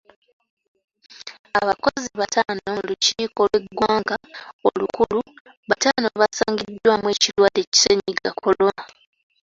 Abakozi bataano mu lukiiko lw'eggwanga olukulu bataano basangiddwamu ekirwadde ki Ssennyiga Kolona.